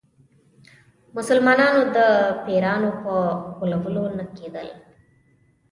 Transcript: مسلمانانو د پیرانو په غولولو نه کېدل.